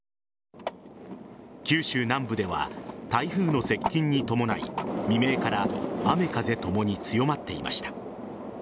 九州南部では台風の接近に伴い未明から雨風ともに強まっていました。